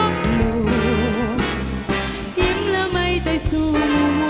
ชู้ชาญเชิง